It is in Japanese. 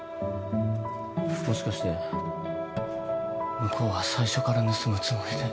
もしかして向こうは最初から盗むつもりで